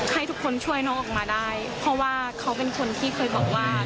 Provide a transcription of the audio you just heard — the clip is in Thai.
ให้ทุกคนช่วยน้องออกมาได้เพราะว่าเขาเป็นคนที่เคยบอกว่า